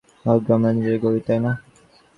ভাগ্য আমরা নিজেরাই গড়ি, তাই না?